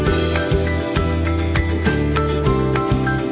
setelah itu masukkan bumbu merata kemudian angkat dan kiriskan